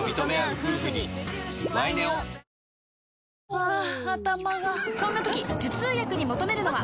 ハァ頭がそんな時頭痛薬に求めるのは？